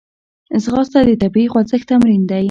ځغاسته د طبیعي خوځښت تمرین دی